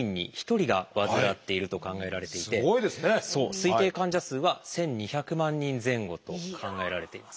推定患者数は１，２００万人前後と考えられています。